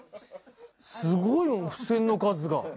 すごい、付箋の数が。